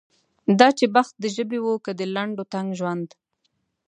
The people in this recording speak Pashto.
دا چې بخت د ژبې و که د لنډ و تنګ ژوند.